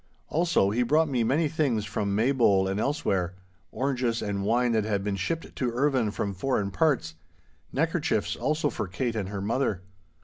Also he brought me many things from Maybole and elsewhere—oranges and wine that had been shipped to Irvine from foreign parts, neckerchiefs also for Kate and her mother.